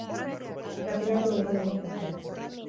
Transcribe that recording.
Gratinatu egingo dugu platera.